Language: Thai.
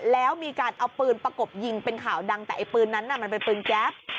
แล้วมีการเอาปืนประกบยิงเป็นข่าวดังแต่ไอ้ปืนนั้นน่ะมันเป็นปืนแก๊ป